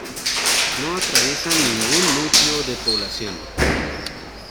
No atraviesa ningún núcleo de población.